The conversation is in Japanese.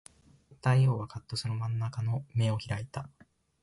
大王はかっとその真ん丸の眼を開いた